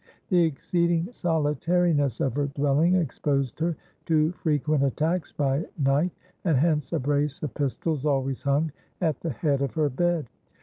The exceeding solitariness of her dwelling exposed her to frequent attacks by night, and hence a brace of pistols always hung at the head of her bed.